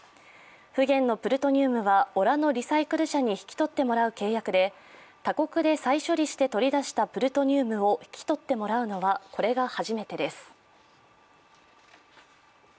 ふげんのプルトニウムはオラノ・リサイクル社に引き取ってもらう契約で他国で再処理して取り出したプルトニウムを引き取ってもらうのはこれが初めてです。